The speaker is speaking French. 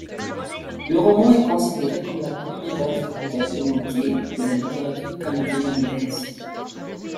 Le roman est considéré comme la première œuvre ouvertement gay de la littérature canadienne-anglaise.